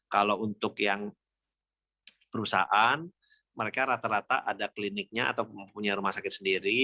kalau untuk yang perusahaan mereka rata rata ada kliniknya atau mempunyai rumah sakit sendiri